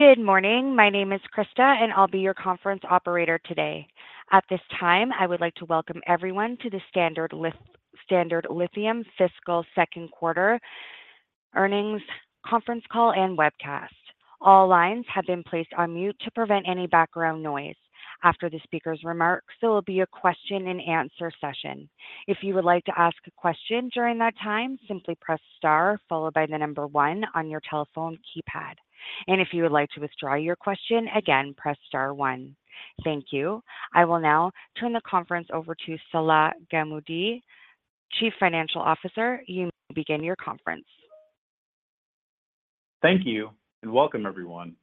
Good morning. My name is Krista, and I'll be your conference operator today. At this time, I would like to welcome everyone to the Standard Lithium Fiscal Second Quarter Earnings Conference Call and Webcast. All lines have been placed on mute to prevent any background noise. After the speaker's remarks, there will be a question and answer session. If you would like to ask a question during that time, simply press Star followed by the number one on your telephone keypad. If you would like to withdraw your question, again, press Star one. Thank you. I will now turn the conference over to Salah Gamoudi, Chief Financial Officer. You may begin your conference. Thank you, and welcome everyone.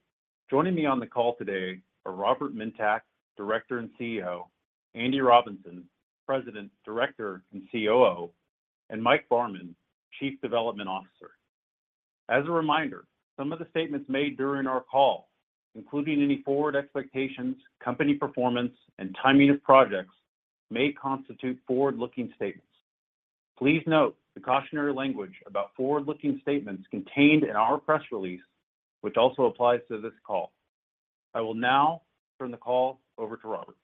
Joining me on the call today are Robert Mintak, Director and CEO, Andy Robinson, President, Director, and COO, and Mike Barman, Chief Development Officer. As a reminder, some of the statements made during our call, including any forward expectations, company performance, and timing of projects, may constitute forward-looking statements. Please note the cautionary language about forward-looking statements contained in our press release, which also applies to this call. I will now turn the call over to Robert.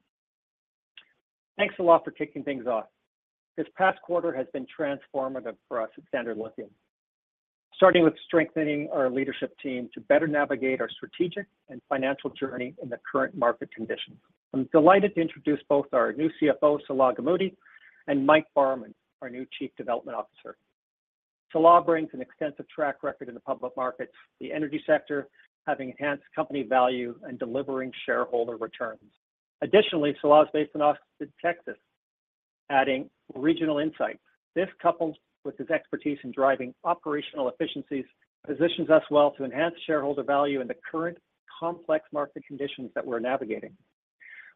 Thanks a lot for kicking things off. This past quarter has been transformative for us at Standard Lithium, starting with strengthening our leadership team to better navigate our strategic and financial journey in the current market conditions. I'm delighted to introduce both our new CFO, Salah Gamoudi, and Mike Barman, our new Chief Development Officer. Salah brings an extensive track record in the public markets, the energy sector, having enhanced company value and delivering shareholder returns. Additionally, Salah is based in Austin, Texas, adding regional insight. This, coupled with his expertise in driving operational efficiencies, positions us well to enhance shareholder value in the current complex market conditions that we're navigating.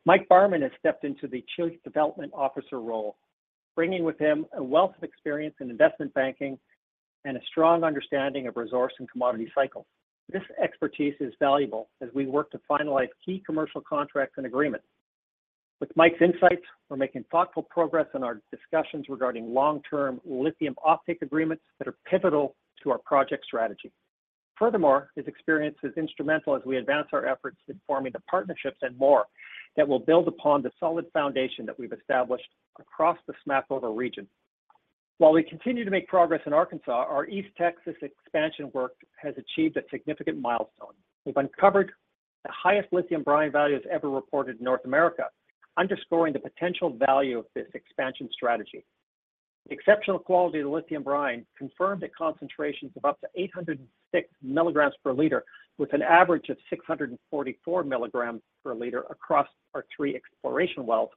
Mike Barman has stepped into the Chief Development Officer role, bringing with him a wealth of experience in investment banking and a strong understanding of resource and commodity cycles. This expertise is valuable as we work to finalize key commercial contracts and agreements. With Mike's insights, we're making thoughtful progress on our discussions regarding long-term lithium offtake agreements that are pivotal to our project strategy. Furthermore, his experience is instrumental as we advance our efforts in forming the partnerships and more, that will build upon the solid foundation that we've established across the Smackover region. While we continue to make progress in Arkansas, our East Texas expansion work has achieved a significant milestone. We've uncovered the highest lithium brine values ever reported in North America, underscoring the potential value of this expansion strategy. The exceptional quality of the lithium brine confirmed that concentrations of up to 806 milligrams per liter, with an average of 644 milligrams per liter across our three exploration wells,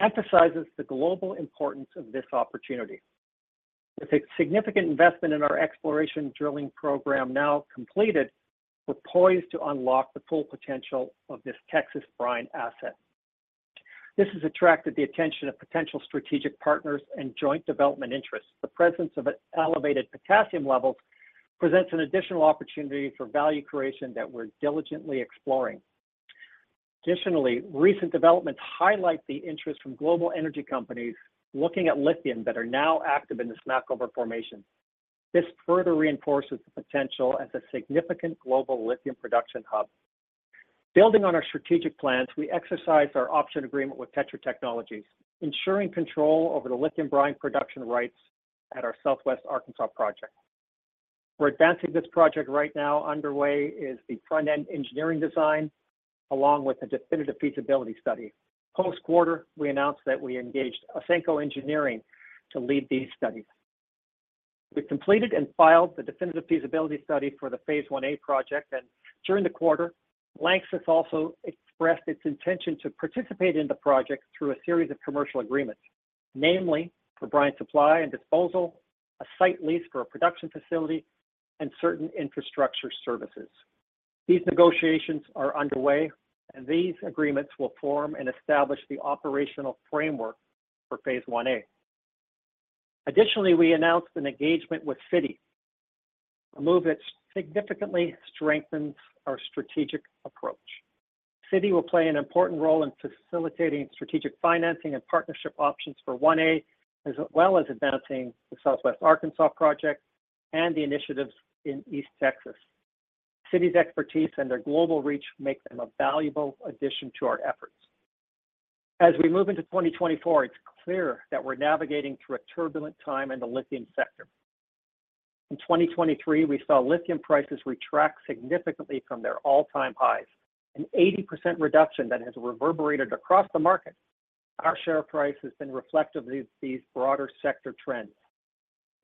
emphasizes the global importance of this opportunity. With a significant investment in our exploration drilling program now completed, we're poised to unlock the full potential of this Texas brine asset. This has attracted the attention of potential strategic partners and joint development interests. The presence of elevated potassium levels presents an additional opportunity for value creation that we're diligently exploring. Additionally, recent developments highlight the interest from global energy companies looking at lithium that are now active in the Smackover Formation. This further reinforces the potential as a significant global lithium production hub. Building on our strategic plans, we exercise our option agreement with Tetra Technologies, ensuring control over the lithium brine production rights at our Southwest Arkansas Project. We're advancing this project right now. Underway is the Front-End Engineering Design, along with a Definitive Feasibility Study. Post quarter, we announced that we engaged Ausenco Engineering to lead these studies. We've completed and filed the definitive feasibility study for the Phase 1A project, and during the quarter, LANXESS also expressed its intention to participate in the project through a series of commercial agreements, namely for brine supply and disposal, a site lease for a production facility, and certain infrastructure services. These negotiations are underway, and these agreements will form and establish the operational framework for Phase 1A. Additionally, we announced an engagement with Citi, a move that significantly strengthens our strategic approach. Citi will play an important role in facilitating strategic financing and partnership options for 1A, as well as advancing the Southwest Arkansas project and the initiatives in East Texas. Citi's expertise and their global reach make them a valuable addition to our efforts. As we move into 2024, it's clear that we're navigating through a turbulent time in the lithium sector. In 2023, we saw lithium prices retract significantly from their all-time highs, an 80% reduction that has reverberated across the market. Our share price has been reflective of these broader sector trends.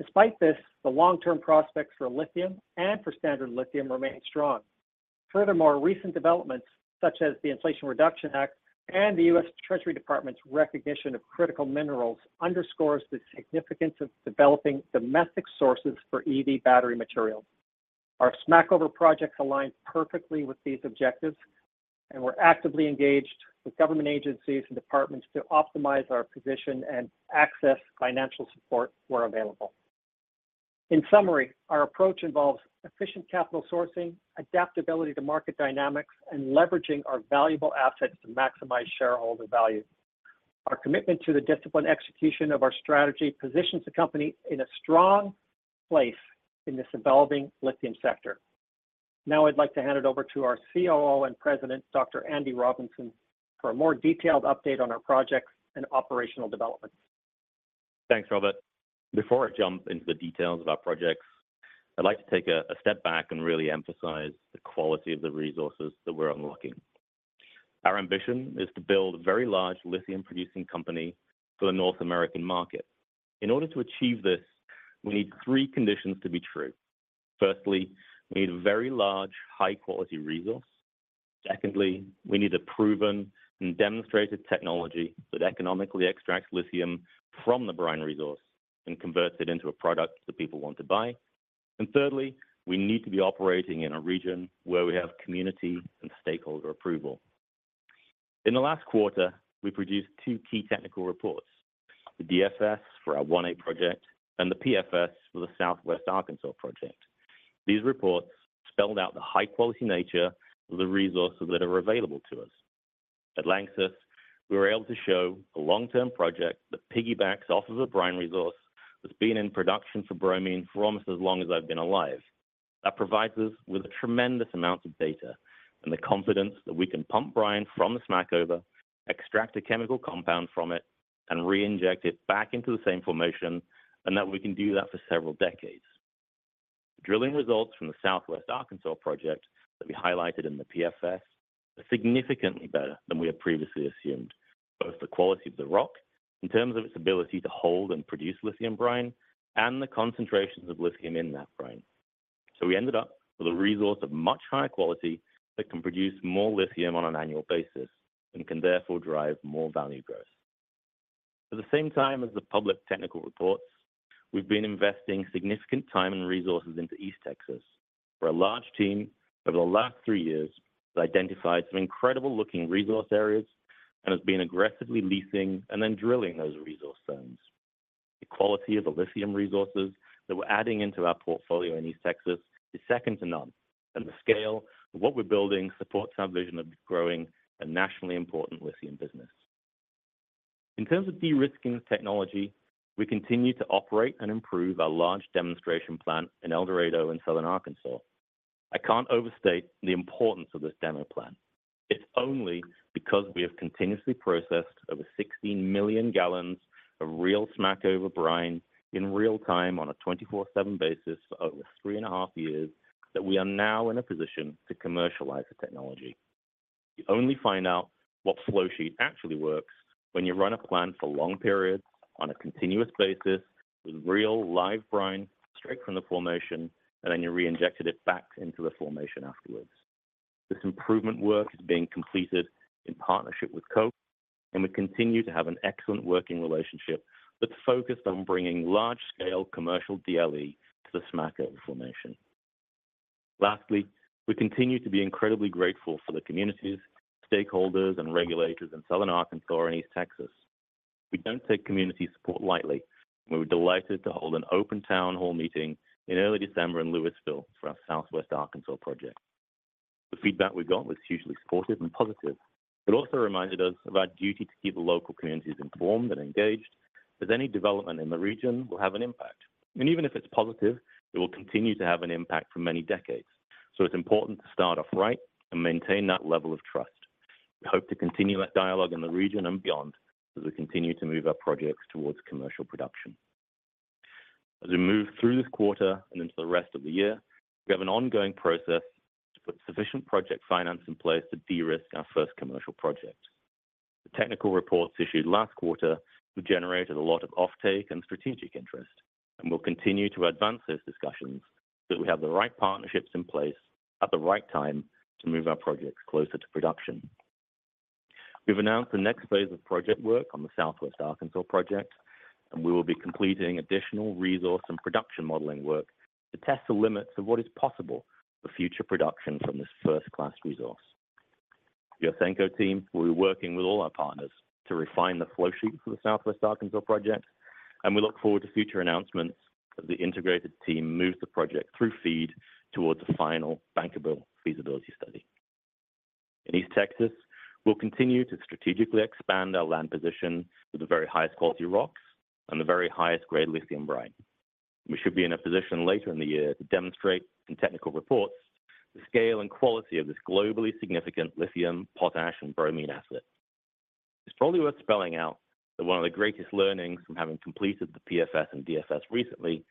Despite this, the long-term prospects for lithium and for Standard Lithium remain strong. Furthermore, recent developments, such as the Inflation Reduction Act and the U.S. Treasury Department's recognition of critical minerals, underscores the significance of developing domestic sources for EV battery materials. Our Smackover project aligns perfectly with these objectives, and we're actively engaged with government agencies and departments to optimize our position and access financial support where available. In summary, our approach involves efficient capital sourcing, adaptability to market dynamics, and leveraging our valuable assets to maximize shareholder value. Our commitment to the disciplined execution of our strategy positions the company in a strong place in this evolving lithium sector. Now, I'd like to hand it over to our COO and President, Dr. Andy Robinson, for a more detailed update on our projects and operational developments. Thanks, Robert. Before I jump into the details of our projects, I'd like to take a step back and really emphasize the quality of the resources that we're unlocking. Our ambition is to build a very large lithium-producing company for the North American market. In order to achieve this, we need three conditions to be true. Firstly, we need a very large, high-quality resource. Secondly, we need a proven and demonstrated technology that economically extracts lithium from the brine resource and converts it into a product that people want to buy. And thirdly, we need to be operating in a region where we have community and stakeholder approval. In the last quarter, we produced two key technical reports: the DFS for our 1A Project and the PFS for the Southwest Arkansas Project. These reports spelled out the high-quality nature of the resources that are available to us. At LANXESS, we were able to show a long-term project that piggybacks off of the brine resource that's been in production for bromine for almost as long as I've been alive. That provides us with a tremendous amount of data and the confidence that we can pump brine from the Smackover, extract a chemical compound from it, and reinject it back into the same formation, and that we can do that for several decades. Drilling results from the Southwest Arkansas Project that we highlighted in the PFS are significantly better than we had previously assumed, both the quality of the rock, in terms of its ability to hold and produce lithium brine, and the concentrations of lithium in that brine. So we ended up with a resource of much higher quality that can produce more lithium on an annual basis and can therefore drive more value growth. At the same time as the public technical reports, we've been investing significant time and resources into East Texas, where a large team over the last three years has identified some incredible-looking resource areas and has been aggressively leasing and then drilling those resource zones. The quality of the lithium resources that we're adding into our portfolio in East Texas is second to none, and the scale of what we're building supports our vision of growing a nationally important lithium business. In terms of de-risking the technology, we continue to operate and improve our large demonstration plant in El Dorado in southern Arkansas. I can't overstate the importance of this demo plant. It's only because we have continuously processed over 16 million gallons of real Smackover brine in real time on a 24/7 basis for over three and a half years, that we are now in a position to commercialize the technology. You only find out what flow sheet actually works when you run a plant for long periods on a continuous basis, with real, live brine straight from the formation, and then you reinjected it back into the formation afterwards. This improvement work is being completed in partnership with Koch, and we continue to have an excellent working relationship that's focused on bringing large-scale commercial DLE to the Smackover formation. Lastly, we continue to be incredibly grateful for the communities, stakeholders and regulators in southern Arkansas and East Texas. We don't take community support lightly, and we were delighted to hold an open town hall meeting in early December in Lewisville for our Southwest Arkansas Project. The feedback we got was hugely supportive and positive. It also reminded us of our duty to keep the local communities informed and engaged, as any development in the region will have an impact, and even if it's positive, it will continue to have an impact for many decades. So it's important to start off right and maintain that level of trust. We hope to continue that dialogue in the region and beyond as we continue to move our projects towards commercial production. As we move through this quarter and into the rest of the year, we have an ongoing process to put sufficient project finance in place to de-risk our first commercial project. The technical reports issued last quarter have generated a lot of offtake and strategic interest, and we'll continue to advance those discussions so that we have the right partnerships in place at the right time to move our projects closer to production. We've announced the next phase of project work on the Southwest Arkansas Project, and we will be completing additional resource and production modeling work to test the limits of what is possible for future production from this first-class resource. The Ausenco team will be working with all our partners to refine the flow sheet for the Southwest Arkansas Project, and we look forward to future announcements as the integrated team moves the project through FEED towards a final bankable feasibility study. In East Texas, we'll continue to strategically expand our land position with the very highest quality rocks and the very highest grade lithium brine. We should be in a position later in the year to demonstrate in technical reports the scale and quality of this globally significant lithium, potash, and bromine asset. It's probably worth spelling out that one of the greatest learnings from having completed the PFS and DFS recently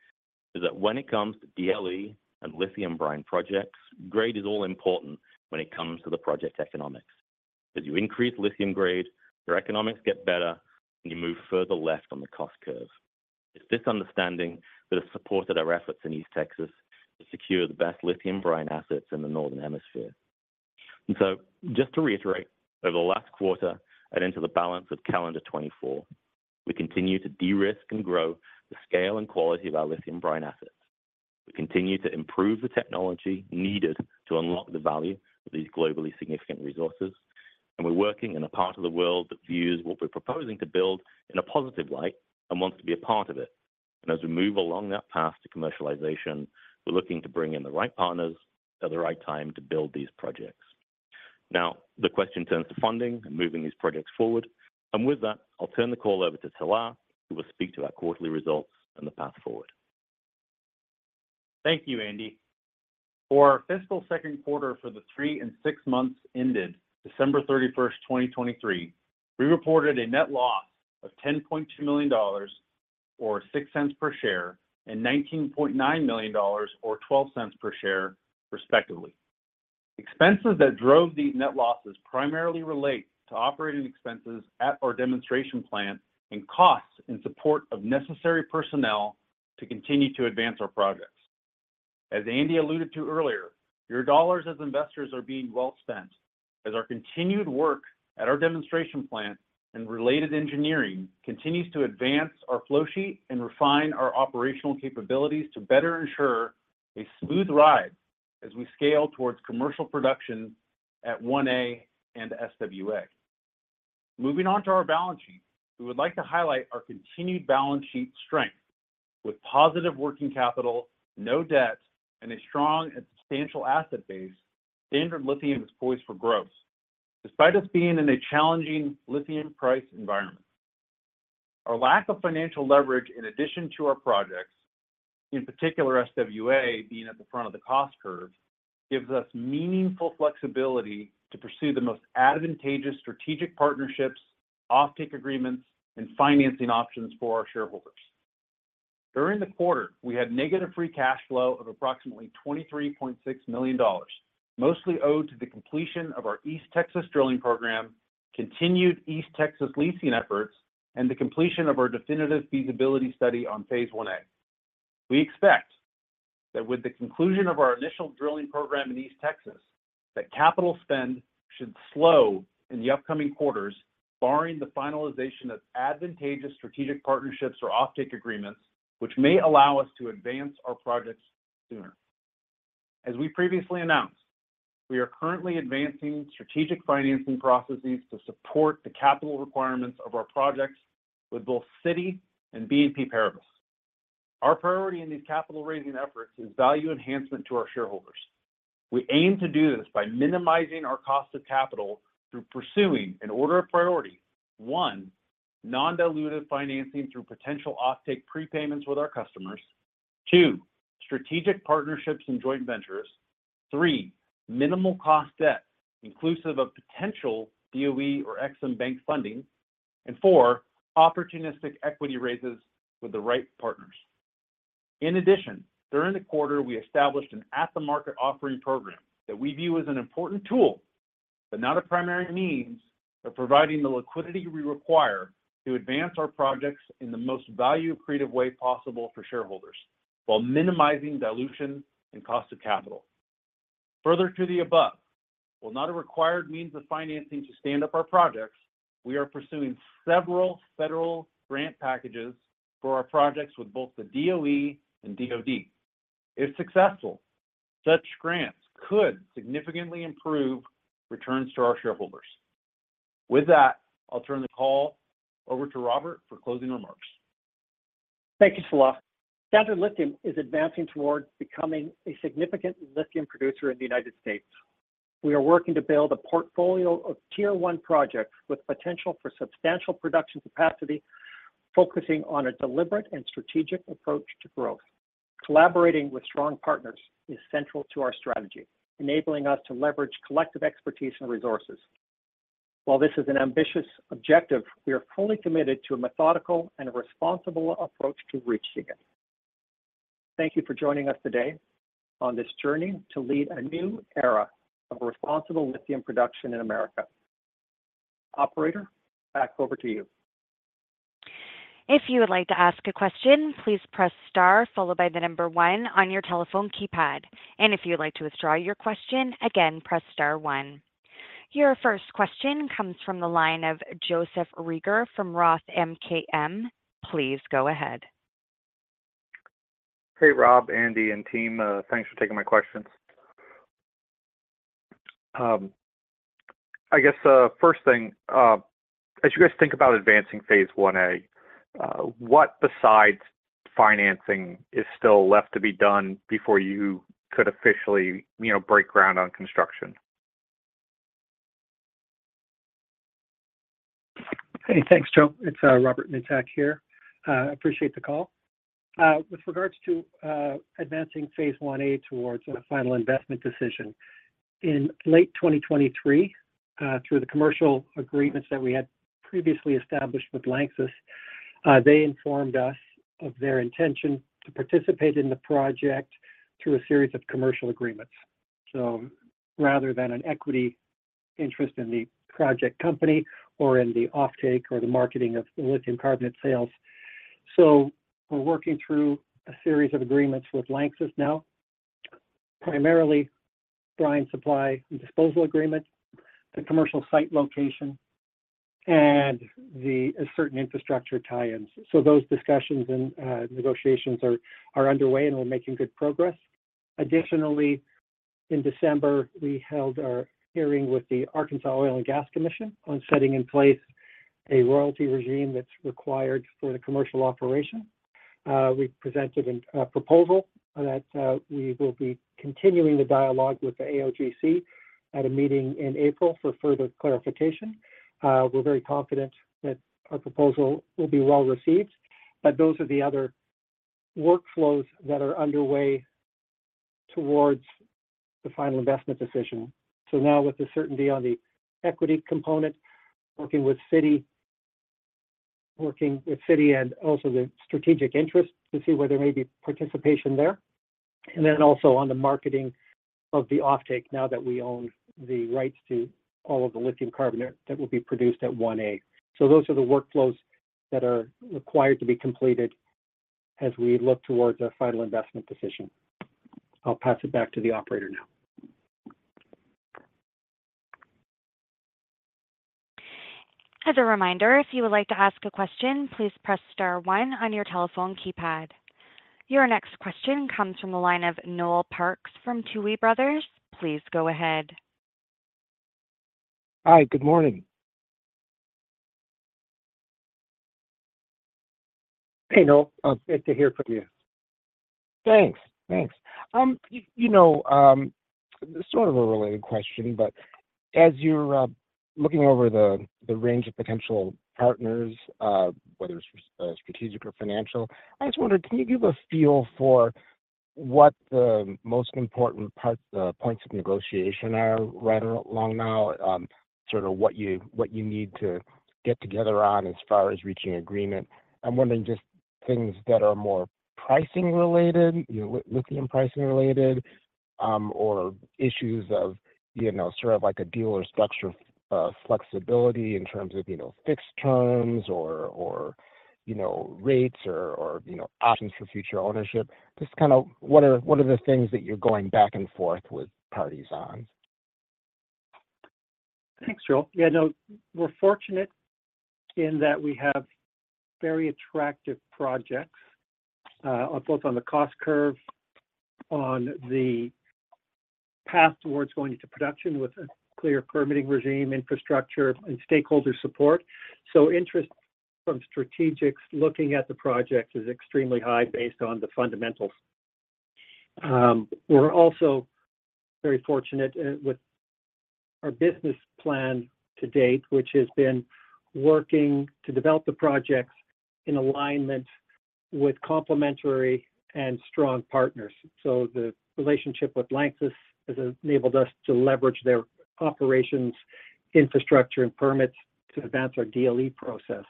is that when it comes to DLE and lithium brine projects, grade is all important when it comes to the project economics. As you increase lithium grade, your economics get better, and you move further left on the cost curve. It's this understanding that has supported our efforts in East Texas to secure the best lithium brine assets in the Northern Hemisphere. And so, just to reiterate, over the last quarter and into the balance of calendar 2024, we continue to de-risk and grow the scale and quality of our lithium brine assets. We continue to improve the technology needed to unlock the value of these globally significant resources, and we're working in a part of the world that views what we're proposing to build in a positive light and wants to be a part of it. As we move along that path to commercialization, we're looking to bring in the right partners at the right time to build these projects. Now, the question turns to funding and moving these projects forward. With that, I'll turn the call over to Salah, who will speak to our quarterly results and the path forward. Thank you, Andy. For our fiscal second quarter for the three and six months ended December 31st, 2023, we reported a net loss of $10.2 million or $0.06 per share, and $19.9 million or $0.12 per share, respectively. Expenses that drove these net losses primarily relate to operating expenses at our demonstration plant and costs in support of necessary personnel to continue to advance our projects. As Andy alluded to earlier, your dollars as investors are being well spent, as our continued work at our demonstration plant and related engineering continues to advance our flow sheet and refine our operational capabilities to better ensure a smooth ride as we scale towards commercial production at 1A and SWA. Moving on to our balance sheet, we would like to highlight our continued balance sheet strength. With positive working capital, no debt, and a strong and substantial asset base, Standard Lithium is poised for growth, despite us being in a challenging lithium price environment. Our lack of financial leverage in addition to our projects, in particular SWA, being at the front of the cost curve, gives us meaningful flexibility to pursue the most advantageous strategic partnerships, offtake agreements, and financing options for our shareholders. During the quarter, we had negative free cash flow of approximately $23.6 million, mostly owed to the completion of our East Texas drilling program, continued East Texas leasing efforts, and the completion of our definitive feasibility study on Phase 1A. We expect that with the conclusion of our initial drilling program in East Texas, that capital spend should slow in the upcoming quarters, barring the finalization of advantageous strategic partnerships or offtake agreements, which may allow us to advance our projects sooner. As we previously announced, we are currently advancing strategic financing processes to support the capital requirements of our projects with both Citi and BNP Paribas. Our priority in these capital raising efforts is value enhancement to our shareholders. We aim to do this by minimizing our cost of capital through pursuing an order of priority: one, non-dilutive financing through potential offtake prepayments with our customers; two, strategic partnerships and joint ventures; three, minimal cost debt, inclusive of potential DOE or EXIM Bank funding; and four, opportunistic equity raises with the right partners. In addition, during the quarter, we established an at-the-market offering program that we view as an important tool, but not a primary means of providing the liquidity we require to advance our projects in the most value-creative way possible for shareholders, while minimizing dilution and cost of capital. Further to the above, while not a required means of financing to stand up our projects, we are pursuing several federal grant packages for our projects with both the DOE and DOD. If successful, such grants could significantly improve returns to our shareholders. With that, I'll turn the call over to Robert for closing remarks. Thank you, Salah. Standard Lithium is advancing towards becoming a significant lithium producer in the United States. We are working to build a portfolio of Tier One projects with potential for substantial production capacity, focusing on a deliberate and strategic approach to growth. Collaborating with strong partners is central to our strategy, enabling us to leverage collective expertise and resources. While this is an ambitious objective, we are fully committed to a methodical and responsible approach to reaching it. Thank you for joining us today on this journey to lead a new era of responsible lithium production in America. Operator, back over to you. If you would like to ask a question, please press star followed by the number one on your telephone keypad. And if you would like to withdraw your question, again, press star one. Your first question comes from the line of Joseph Reagor from Roth MKM. Please go ahead. Hey, Rob, Andy, and team. Thanks for taking my questions. I guess, first thing, as you guys think about advancing Phase 1A, what besides financing is still left to be done before you could officially, you know, break ground on construction? Hey, thanks, Joe. It's Robert Mintak here. Appreciate the call. With regards to advancing Phase 1A towards a final investment decision, in late 2023 through the commercial agreements that we had previously established with LANXESS, they informed us of their intention to participate in the project through a series of commercial agreements. So rather than an equity interest in the project company or in the offtake or the marketing of lithium carbonate sales. So we're working through a series of agreements with LANXESS now, primarily brine supply and disposal agreement, the commercial site location, and the certain infrastructure tie-ins. So those discussions and negotiations are underway, and we're making good progress. Additionally, in December, we held our hearing with the Arkansas Oil and Gas Commission on setting in place a royalty regime that's required for the commercial operation. We presented a proposal that we will be continuing the dialogue with the AOGC at a meeting in April for further clarification. We're very confident that our proposal will be well received, but those are the other workflows that are underway towards the final investment decision. So now with the certainty on the equity component, working with Citi, working with Citi and also the strategic interest to see where there may be participation there, and then also on the marketing of the offtake, now that we own the rights to all of the lithium carbonate that will be produced at 1A. So those are the workflows that are required to be completed as we look towards a final investment decision. I'll pass it back to the operator now. As a reminder, if you would like to ask a question, please press star one on your telephone keypad. Your next question comes from the line of Noel Parks from Tuohy Brothers. Please go ahead. Hi, good morning. Hey, Noel. Good to hear from you. Thanks. Thanks. You know, sort of a related question, but as you're looking over the range of potential partners, whether it's strategic or financial, I just wondered, can you give a feel for what the most important points of negotiation are right now? Sort of what you need to get together on as far as reaching an agreement. I'm wondering just things that are more pricing related, you know, lithium pricing related, or issues of, you know, sort of like a deal or structure, flexibility in terms of, you know, fixed terms or rates or options for future ownership. Just kind of what are the things that you're going back and forth with parties on? Thanks, Noel. Yeah, no, we're fortunate in that we have very attractive projects, on both on the cost curve, on the path towards going to production with a clear permitting regime, infrastructure, and stakeholder support. So interest from strategics looking at the project is extremely high based on the fundamentals. We're also very fortunate, with our business plan to date, which has been working to develop the projects in alignment with complementary and strong partners. So the relationship with LANXESS has enabled us to leverage their operations, infrastructure, and permits to advance our DLE process.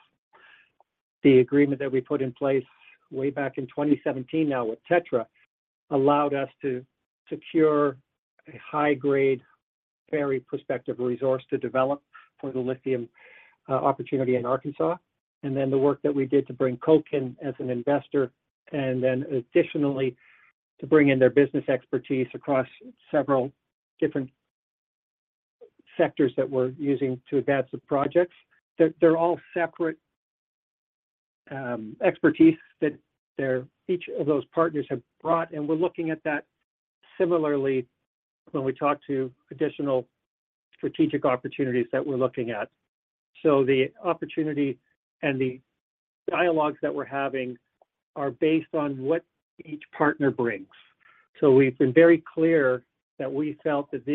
The agreement that we put in place way back in 2017 now with Tetra allowed us to secure a high-grade, very prospective resource to develop for the lithium opportunity in Arkansas, and then the work that we did to bring Koch in as an investor, and then additionally, to bring in their business expertise across several different sectors that we're using to advance the projects. They're all separate expertise that they're each of those partners have brought, and we're looking at that similarly when we talk to additional strategic opportunities that we're looking at. So the opportunity and the dialogues that we're having are based on what each partner brings. So we've been very clear that we felt that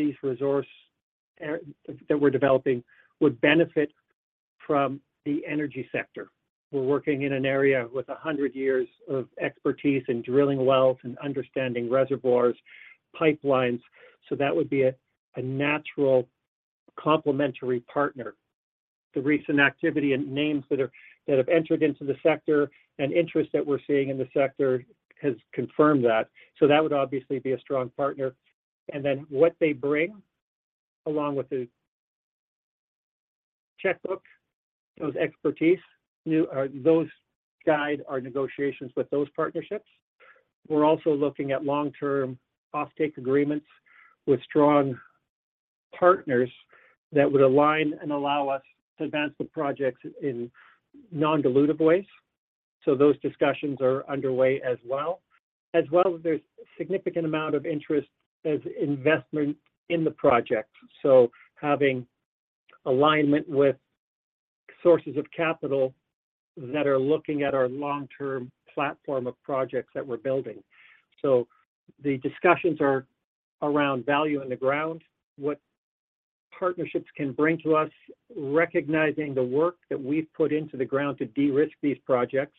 these resource that we're developing would benefit from the energy sector. We're working in an area with 100 years of expertise in drilling wells and understanding reservoirs, pipelines, so that would be a natural complementary partner. The recent activity and names that have entered into the sector and interest that we're seeing in the sector has confirmed that. So that would obviously be a strong partner. And then what they bring, along with the checkbook, those expertise, those guide our negotiations with those partnerships. We're also looking at long-term offtake agreements with strong partners that would align and allow us to advance the projects in non-dilutive ways, so those discussions are underway as well. As well, there's significant amount of interest as investment in the project, so having alignment with sources of capital that are looking at our long-term platform of projects that we're building. So the discussions are around value in the ground, what partnerships can bring to us, recognizing the work that we've put into the ground to de-risk these projects,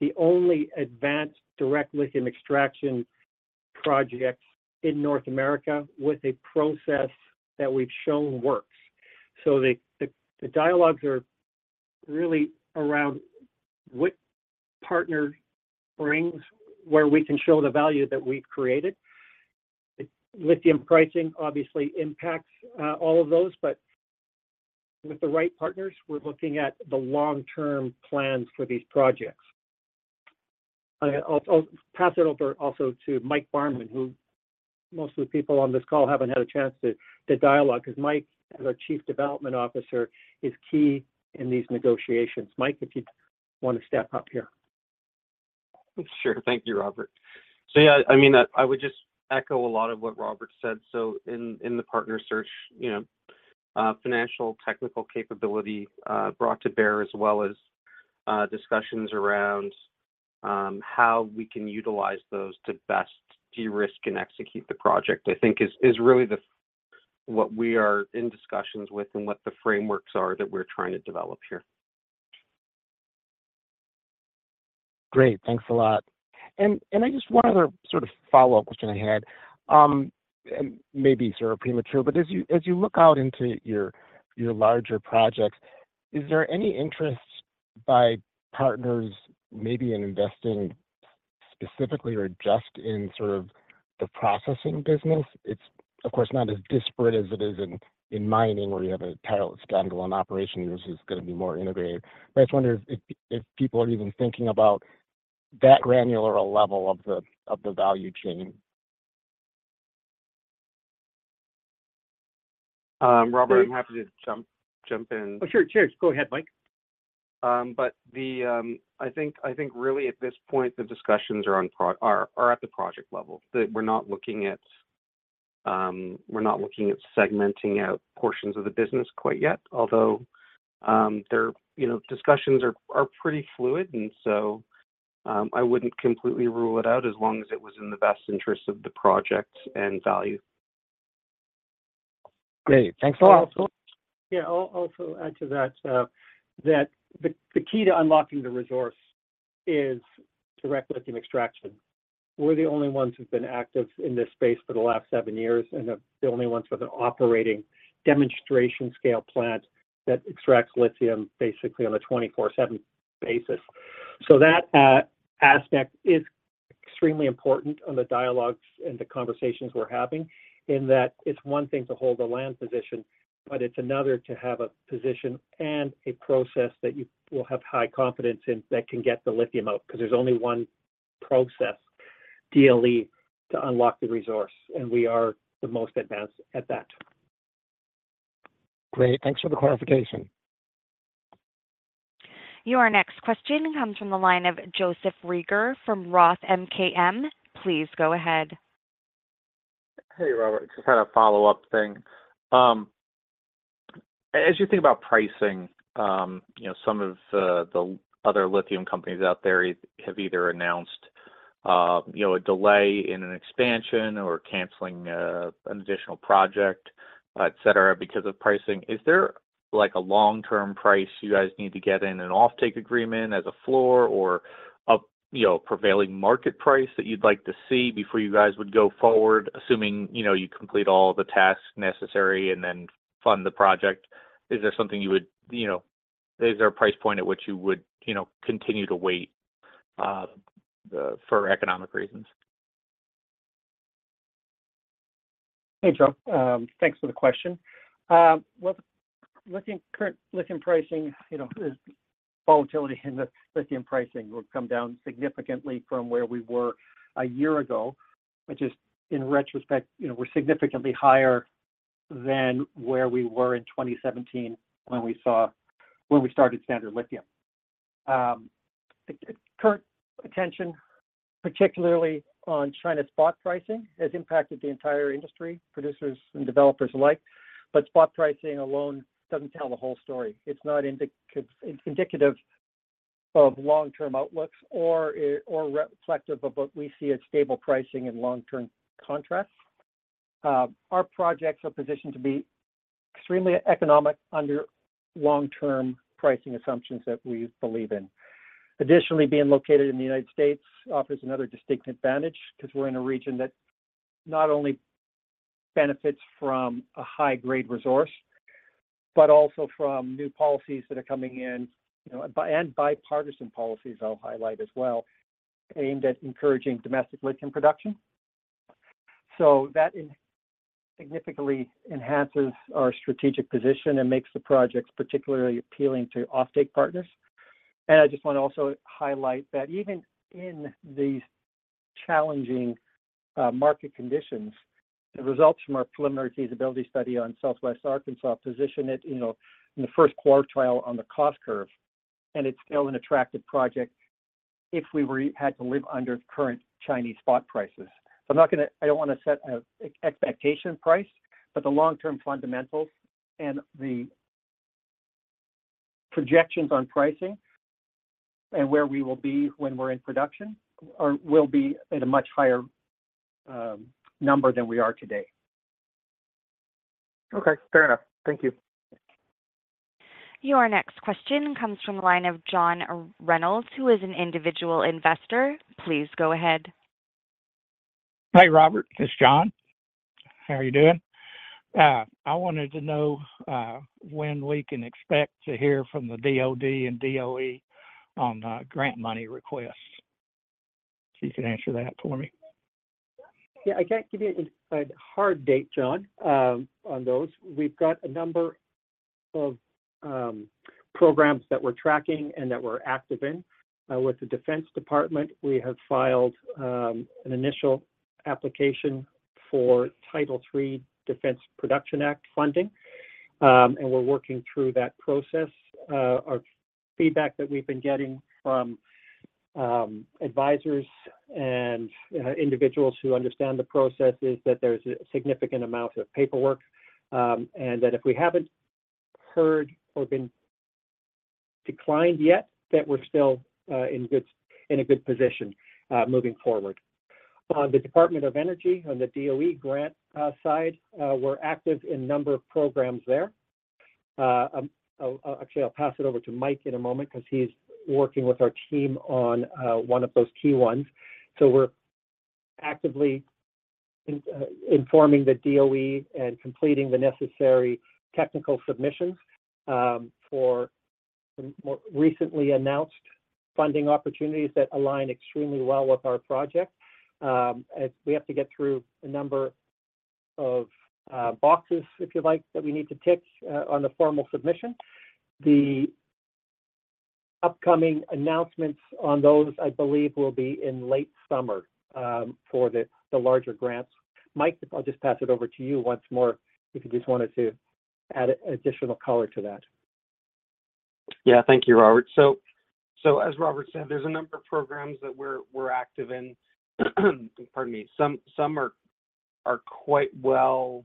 the only advanced Direct Lithium Extraction projects in North America with a process that we've shown works. So the dialogues are really around what partner brings, where we can show the value that we've created. Lithium pricing obviously impacts all of those, but with the right partners, we're looking at the long-term plans for these projects. I'll pass it over also to Mike Barman, who most of the people on this call haven't had a chance to dialogue, 'cause Mike, as our Chief Development Officer, is key in these negotiations. Mike, if you'd want to step up here? Sure. Thank you, Robert. So yeah, I mean, I would just echo a lot of what Robert said. So in the partner search, you know, financial, technical capability brought to bear, as well as discussions around how we can utilize those to best de-risk and execute the project, I think is really the what we are in discussions with and what the frameworks are that we're trying to develop here. Great, thanks a lot. And I just one other sort of follow-up question I had, and maybe sort of premature, but as you look out into your larger projects, is there any interest by partners maybe in investing specifically or just in sort of the processing business? It's, of course, not as disparate as it is in mining, where you have a title standalone operation, which is gonna be more integrated. But I just wonder if people are even thinking about that granular a level of the value chain. Robert, I'm happy to jump in. Oh, sure. Sure. Go ahead, Mike. But the, I think, I think really at this point, the discussions are at the project level, that we're not looking at segmenting out portions of the business quite yet. Although, there you know, discussions are pretty fluid, and so I wouldn't completely rule it out as long as it was in the best interest of the project and value. Great. Thanks a lot. Yeah, I'll also add to that, that the key to unlocking the resource is direct lithium extraction. We're the only ones who've been active in this space for the last seven years, and the only ones with an operating demonstration scale plant that extracts lithium basically on a 24/7 basis. So that aspect is extremely important on the dialogues and the conversations we're having, in that it's one thing to hold a land position, but it's another to have a position and a process that you will have high confidence in, that can get the lithium out, 'cause there's only one process, DLE, to unlock the resource, and we are the most advanced at that. Great. Thanks for the clarification. Your next question comes from the line of Joseph Reagor from Roth MKM. Please go ahead. Hey, Robert. Just had a follow-up thing. As you think about pricing, you know, some of the other lithium companies out there have either announced you know, a delay in an expansion or canceling an additional project, et cetera, because of pricing. Is there, like, a long-term price you guys need to get in an offtake agreement as a floor or a you know, prevailing market price that you'd like to see before you guys would go forward, assuming you know, you complete all the tasks necessary and then fund the project? Is there something you would... You know, is there a price point at which you would you know, continue to wait for economic reasons? Hey, Joe. Thanks for the question. Well, lithium, current lithium pricing, you know, is volatility in the lithium pricing will come down significantly from where we were a year ago, which is, in retrospect, you know, we're significantly higher than where we were in 2017 when we saw when we started Standard Lithium. The current attention, particularly on China spot pricing, has impacted the entire industry, producers and developers alike, but spot pricing alone doesn't tell the whole story. It's not indicative of long-term outlooks or reflective of what we see as stable pricing and long-term contracts. Our projects are positioned to be extremely economic under long-term pricing assumptions that we believe in. Additionally, being located in the United States offers another distinct advantage 'cause we're in a region that not only benefits from a high-grade resource, but also from new policies that are coming in, you know, and bi- and bipartisan policies, I'll highlight as well, aimed at encouraging domestic lithium production. So that significantly enhances our strategic position and makes the projects particularly appealing to offtake partners. And I just wanna also highlight that even in these challenging market conditions, the results from our preliminary feasibility study on Southwest Arkansas position it, you know, in the first quartile on the cost curve, and it's still an attractive project if we had to live under current Chinese spot prices. I'm not gonna. I don't wanna set an expectation price, but the long-term fundamentals and the projections on pricing and where we will be when we're in production are, will be at a much higher number than we are today. Okay, fair enough. Thank you. Your next question comes from the line of John Reynolds, who is an individual investor. Please go ahead. Hi, Robert. It's John. How are you doing? I wanted to know, when we can expect to hear from the DoD and DOE on the grant money requests. If you can answer that for me. Yeah, I can't give you a hard date, John, on those. We've got a number of programs that we're tracking and that we're active in. With the Department of Defense, we have filed an initial application for Title III Defense Production Act funding. And we're working through that process. Our feedback that we've been getting from advisors and individuals who understand the process is that there's a significant amount of paperwork, and that if we haven't heard or been declined yet, that we're still in good, in a good position moving forward. The Department of Energy, on the DOE grant side, we're active in a number of programs there. I'll actually pass it over to Mike in a moment 'cause he's working with our team on one of those key ones. So we're actively informing the DOE and completing the necessary technical submissions for more recently announced funding opportunities that align extremely well with our project. As we have to get through a number of boxes, if you like, that we need to tick on the formal submission. The upcoming announcements on those, I believe, will be in late summer for the larger grants. Mike, I'll just pass it over to you once more, if you just wanted to add additional color to that. Yeah. Thank you, Robert. So as Robert said, there's a number of programs that we're active in. Pardon me. Some are quite well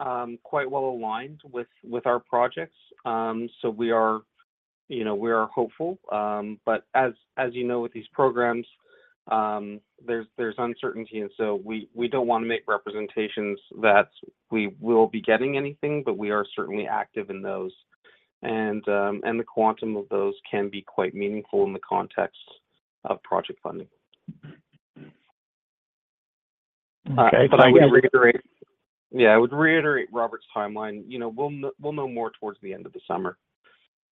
aligned with our projects. So we are, you know, we are hopeful. But as you know, with these programs, there's uncertainty, and so we don't wanna make representations that we will be getting anything, but we are certainly active in those. And the quantum of those can be quite meaningful in the context of project funding. Okay. But I would reiterate. Yeah, I would reiterate Robert's timeline. You know, we'll know, we'll know more towards the end of the summer,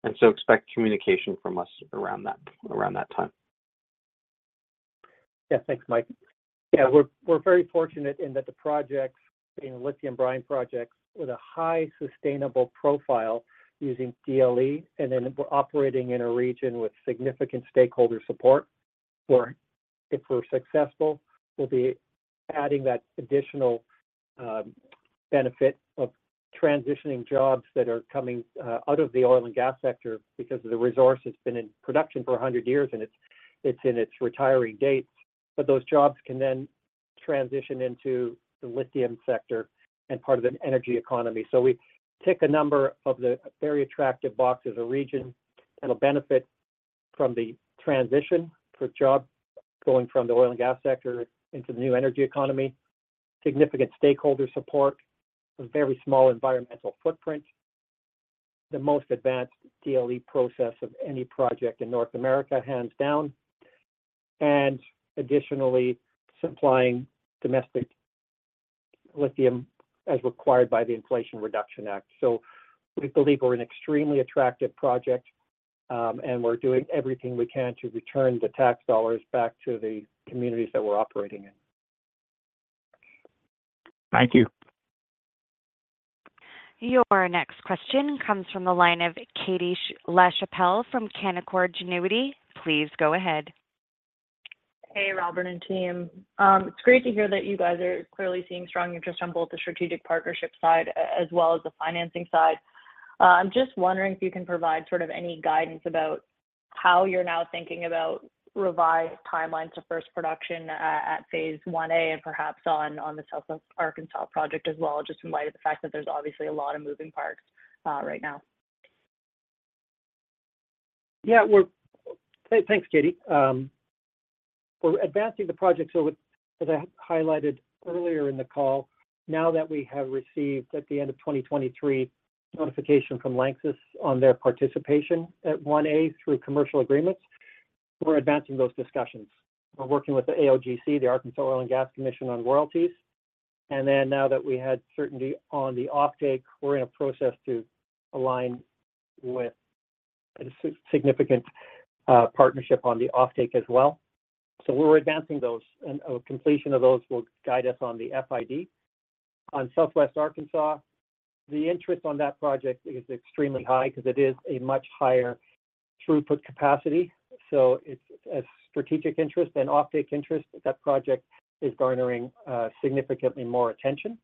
and so expect communication from us around that, around that time. Yeah. Thanks, Mike. Yeah, we're very fortunate in that the projects, you know, lithium brine projects, with a high sustainable profile using DLE, and then we're operating in a region with significant stakeholder support. Where if we're successful, we'll be adding that additional benefit of transitioning jobs that are coming out of the oil and gas sector because of the resource that's been in production for 100 years, and it's in its retiring dates. But those jobs can then transition into the lithium sector and part of an energy economy. So we tick a number of the very attractive boxes, a region that'll benefit from the transition for jobs going from the oil and gas sector into the new energy economy, significant stakeholder support, a very small environmental footprint, the most advanced DLE process of any project in North America, hands down, and additionally, supplying domestic lithium as required by the Inflation Reduction Act. So we believe we're an extremely attractive project, and we're doing everything we can to return the tax dollars back to the communities that we're operating in. Thank you. Your next question comes from the line of Katie Lachapelle from Canaccord Genuity. Please go ahead. Hey, Robert and team. It's great to hear that you guys are clearly seeing strong interest on both the strategic partnership side as well as the financing side. I'm just wondering if you can provide sort of any guidance about how you're now thinking about revised timelines to first production at Phase 1A and perhaps on the Southwest Arkansas Project as well, just in light of the fact that there's obviously a lot of moving parts right now. Yeah, we're thanks, Katie. We're advancing the project. So as I highlighted earlier in the call, now that we have received, at the end of 2023, notification from LANXESS on their participation at 1A through commercial agreements, we're advancing those discussions. We're working with the AOGC, the Arkansas Oil and Gas Commission, on royalties. And then now that we had certainty on the offtake, we're in a process to align with a significant partnership on the offtake as well. So we're advancing those, and completion of those will guide us on the FID. On Southwest Arkansas, the interest on that project is extremely high because it is a much higher throughput capacity, so it's a strategic interest and offtake interest. That project is garnering significantly more attention,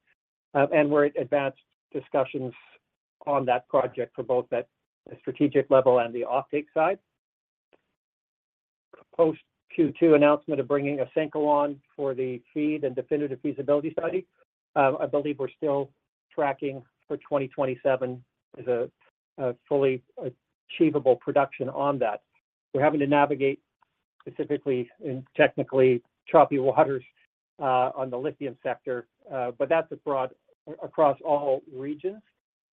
and we're at advanced discussions on that project for both at the strategic level and the offtake side. Post Q2 announcement of bringing Ausenco on for the FEED and definitive feasibility study, I believe we're still tracking for 2027 as a fully achievable production on that. We're having to navigate, specifically and technically, choppy waters on the lithium sector, but that's across all regions.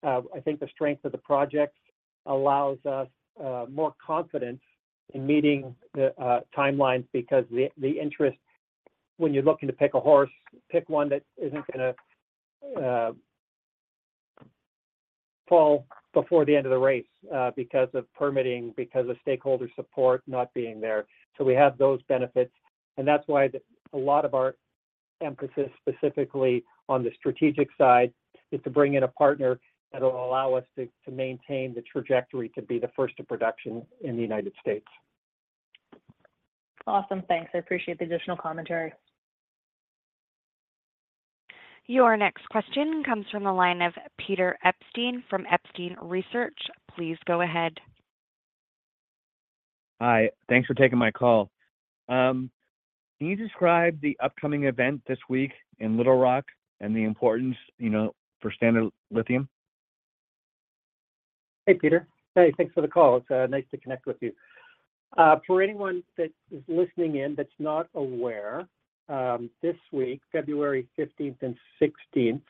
I think the strength of the project allows us more confidence in meeting the timelines because the interest, when you're looking to pick a horse, pick one that isn't gonna fall before the end of the race because of permitting, because of stakeholder support not being there. So we have those benefits, and that's why a lot of our emphasis, specifically on the strategic side, is to bring in a partner that will allow us to maintain the trajectory to be the first to production in the United States. Awesome. Thanks. I appreciate the additional commentary. Your next question comes from the line of Peter Epstein from Epstein Research. Please go ahead. Hi, thanks for taking my call. Can you describe the upcoming event this week in Little Rock and the importance, you know, for Standard Lithium? Hey, Peter. Hey, thanks for the call. It's nice to connect with you. For anyone that is listening in that's not aware, this week, February 15th and 16th,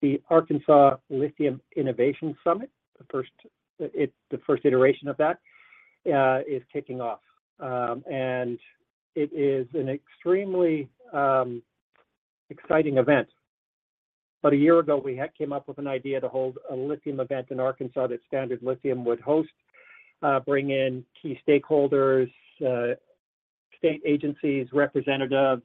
the Arkansas Lithium Innovation Summit, the first iteration of that, is kicking off. And it is an extremely exciting event. About a year ago, we had came up with an idea to hold a lithium event in Arkansas that Standard Lithium would host, bring in key stakeholders, state agencies, representatives,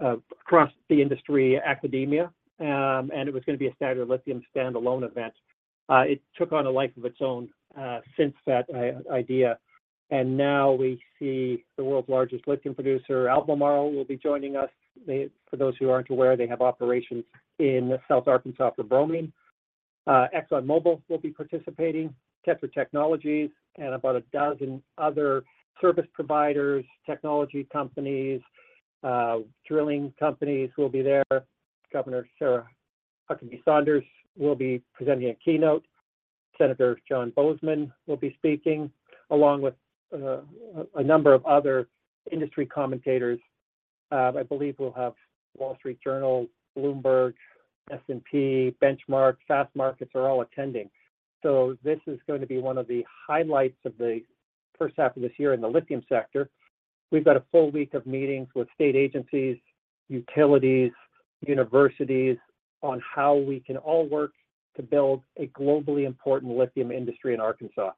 across the industry, academia, and it was gonna be a Standard Lithium standalone event. It took on a life of its own, since that idea, and now we see the world's largest lithium producer, Albemarle, will be joining us. They, for those who aren't aware, they have operations in South Arkansas for bromine. ExxonMobil will be participating, Tetra Technologies, and about a dozen other service providers, technology companies, drilling companies will be there. Governor Sarah Huckabee Sanders will be presenting a keynote. Senator John Boozman will be speaking, along with a number of other industry commentators. I believe we'll have Wall Street Journal, Bloomberg, S&P, Benchmark, Fastmarkets are all attending. So this is going to be one of the highlights of the first half of this year in the lithium sector. We've got a full week of meetings with state agencies, utilities, universities on how we can all work to build a globally important lithium industry in Arkansas.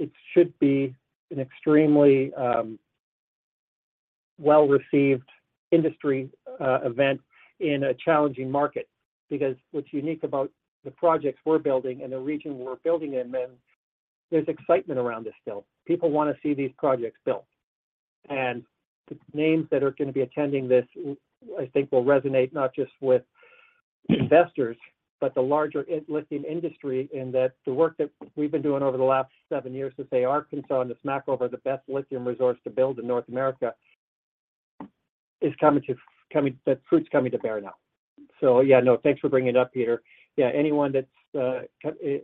It should be an extremely well-received industry event in a challenging market, because what's unique about the projects we're building and the region we're building in, then there's excitement around this still. People wanna see these projects built. The names that are gonna be attending this, I think, will resonate not just with investors, but the larger lithium industry, in that the work that we've been doing over the last 7 years to say Arkansas and to Smackover the best lithium resource to build in North America, is coming, that fruit's coming to bear now. So yeah, no, thanks for bringing it up, Peter. Yeah, anyone that's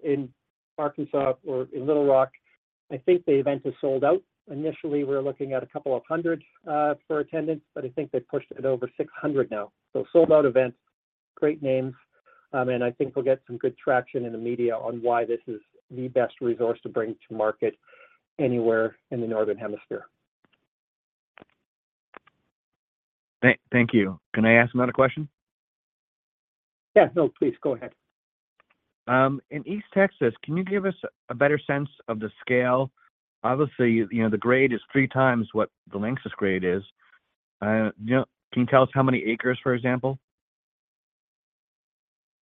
in Arkansas or in Little Rock, I think the event is sold out. Initially, we were looking at a couple of hundred for attendance, but I think they've pushed it over 600 now. So sold-out events, great names, and I think we'll get some good traction in the media on why this is the best resource to bring to market anywhere in the Northern Hemisphere. Thank you. Can I ask another question? Yeah. No, please, go ahead. In East Texas, can you give us a better sense of the scale? Obviously, you know, the grade is three times what the LANXESS grade is. You know, can you tell us how many acres, for example?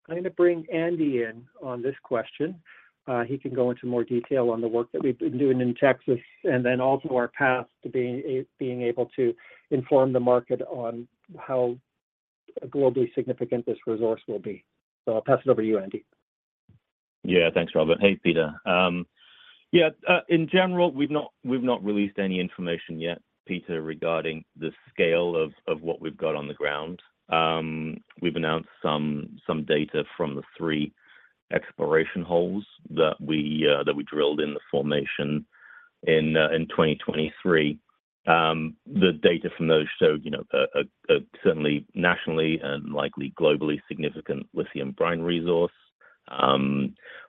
I'm going to bring Andy in on this question. He can go into more detail on the work that we've been doing in Texas, and then also our path to being able to inform the market on how globally significant this resource will be. So I'll pass it over to you, Andy. Yeah, thanks, Robert. Hey, Peter. Yeah, in general, we've not released any information yet, Peter, regarding the scale of what we've got on the ground. We've announced some data from the three exploration holes that we drilled in the formation in 2023. The data from those show, you know, a certainly nationally and likely globally significant lithium brine resource.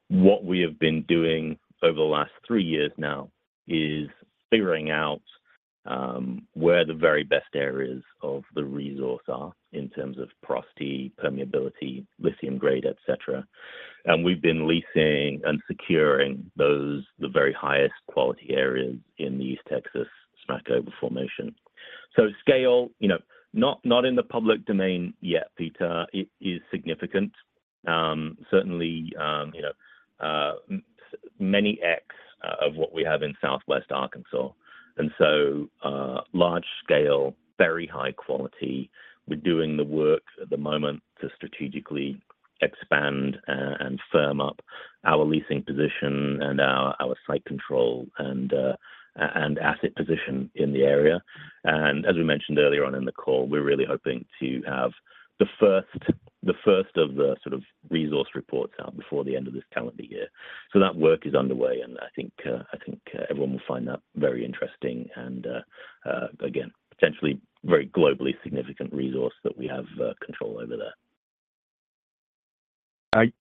What we have been doing over the last three years now is figuring out where the very best areas of the resource are in terms of porosity, permeability, lithium grade, et cetera. And we've been leasing and securing those, the very highest quality areas in the East Texas Smackover Formation. So scale, you know, not in the public domain yet, Peter. It is significant. Certainly, you know, many aspects of what we have in Southwest Arkansas, and so, large scale, very high quality. We're doing the work at the moment to strategically expand and firm up our leasing position and our site control and asset position in the area. And as we mentioned earlier on in the call, we're really hoping to have the first of the sort of resource reports out before the end of this calendar year. So that work is underway, and I think everyone will find that very interesting and, again, potentially very globally significant resource that we have control over there.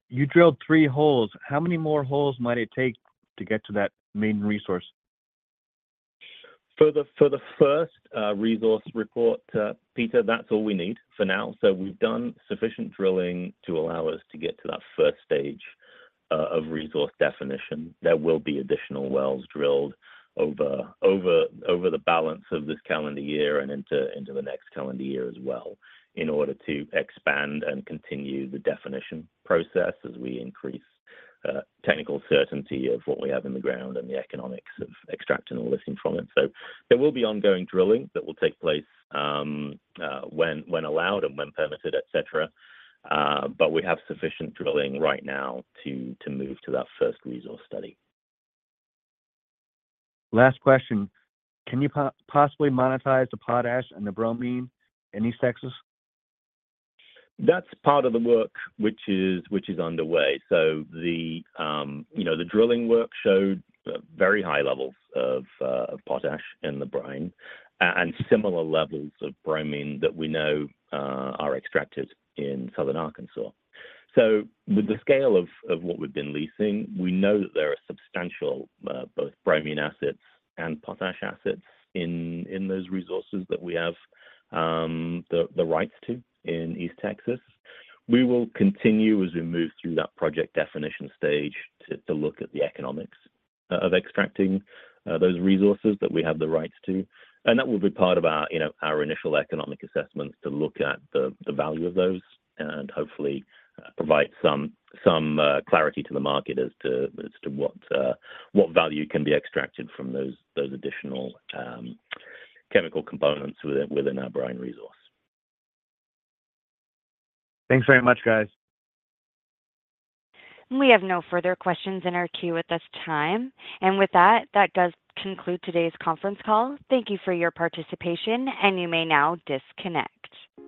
You drilled three holes. How many more holes might it take to get to that main resource? For the first resource report, Peter, that's all we need for now. So we've done sufficient drilling to allow us to get to that first stage of resource definition. There will be additional wells drilled over the balance of this calendar year and into the next calendar year as well, in order to expand and continue the definition process as we increase technical certainty of what we have in the ground and the economics of extracting the lithium from it. So there will be ongoing drilling that will take place when allowed and when permitted, et cetera, but we have sufficient drilling right now to move to that first resource study. Last question: Can you possibly monetize the potash and the bromine in East Texas? That's part of the work which is underway. So the, you know, the drilling work showed very high levels of potash in the brine and similar levels of bromine that we know are extracted in southern Arkansas. So with the scale of what we've been leasing, we know that there are substantial both bromine assets and potash assets in those resources that we have the rights to in East Texas. We will continue as we move through that project definition stage to look at the economics of extracting those resources that we have the rights to. And that will be part of our, you know, our initial economic assessments to look at the value of those and hopefully provide some clarity to the market as to what value can be extracted from those additional chemical components within our brine resource. Thanks very much, guys. We have no further questions in our queue at this time. With that, that does conclude today's conference call. Thank you for your participation, and you may now disconnect.